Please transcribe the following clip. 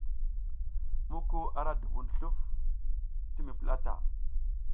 Muku a la dubun sluf ti mi plata.